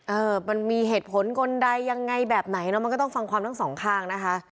เออมันมีเหตุผลคนใดยังไงแบบไหนเนอะมันก็ต้องฟังความทั้งสองข้างนะคะ